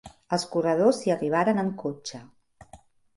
Els corredors hi arribaren en cotxe.